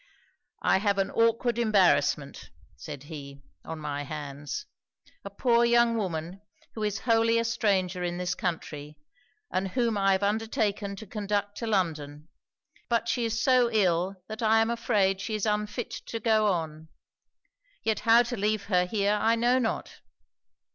'I have an awkward embarrassment,' said he, 'on my hands: a poor young woman, who is wholly a stranger in this country, and whom I have undertaken to conduct to London; but she is so ill that I am afraid she is unfit to go on. Yet how to leave her here I know not.'